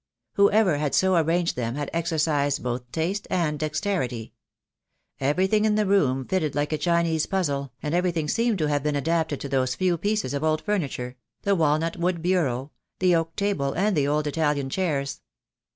Whoever had so arranged them had exercised both taste and dexterity. Everything in the room fitted like a Chinese puzzle, and everything seemed to have been adapted to those few THE DAY WILL COAIE. I 25 pieces of old furniture — the walnut wood bureau, the oak table, and the old Italian chairs.